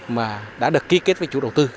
mà đã được ký kết với chủ đầu tư